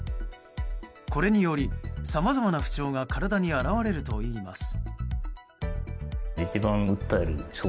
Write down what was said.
これにより、さまざまな不調が体に現れるといいます。